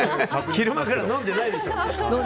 昼間から飲んでないでしょ。